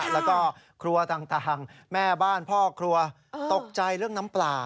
แล้วก็ครัวต่างแม่บ้านพ่อครัวตกใจเรื่องน้ำปลา